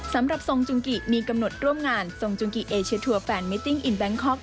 สำหรับทรงจุงกิมีกำหนดร่วมงานทรงจุงกิเอเชียทัวร์แฟนมิติ้งอินแบงคอก